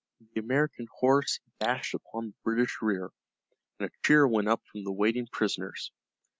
The American horse dashed upon the British rear, and a cheer went up from the waiting prisoners.